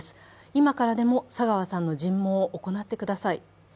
今からでも佐川さんの尋問を行ってください。